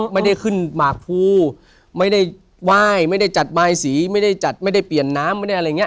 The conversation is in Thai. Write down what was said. ไม่ได้ขึ้นหมากภูไม่ได้ไหว้ไม่ได้จัดบายสีไม่ได้จัดไม่ได้เปลี่ยนน้ำไม่ได้อะไรอย่างนี้